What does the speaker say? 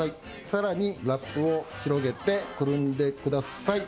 更にラップを広げてくるんでください。